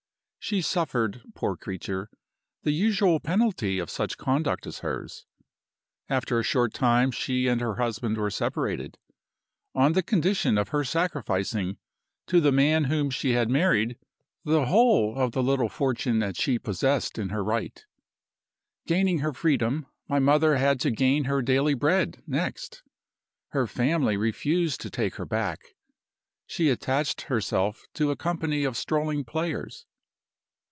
She suffered, poor creature, the usual penalty of such conduct as hers. After a short time she and her husband were separated on the condition of her sacrificing to the man whom she had married the whole of the little fortune that she possessed in her right. "Gaining her freedom, my mother had to gain her daily bread next. Her family refused to take her back. She attached herself to a company of strolling players.